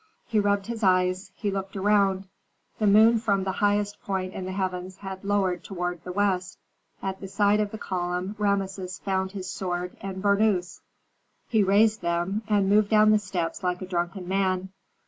He rubbed his eyes, he looked around. The moon from the highest point in the heavens had lowered toward the west. At the side of the column Rameses found his sword and burnous. He raised them, and moved down the steps like a drunken man.